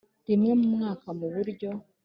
rimwe mu mwaka mu buryo